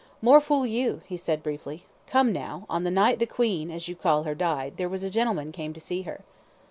"More fool you," he said, briefly. "Come now, on the night the 'Queen,' as you call her, died, there was a gentleman came to see her?"